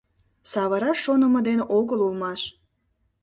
Савыраш шонымо ден огыл улмаш